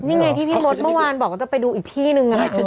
นี่ไงที่พี่มดเมื่อวานบอกว่าจะไปดูอีกที่นึง